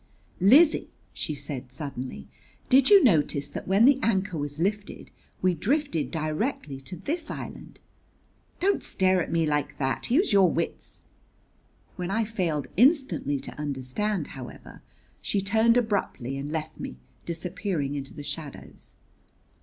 "Lizzie," she said suddenly, "did you notice that when the anchor was lifted, we drifted directly to this island? Don't stare at me like that. Use your wits." When I failed instantly to understand, however, she turned abruptly and left me, disappearing in the shadows.